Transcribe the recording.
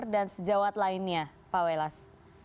dan sejawat lainnya pak welas